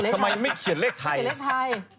ทำไมไม่เขียนเลขไทย